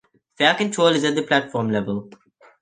Fare control is at the platform level.